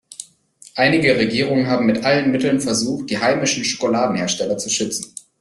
Einige Regierungen haben mit allen Mitteln versucht, die heimischen Schokoladenhersteller zu schützen.